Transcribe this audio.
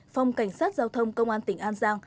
phòng cảnh sát giao thông công an tỉnh an giang